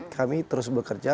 kami terus bekerja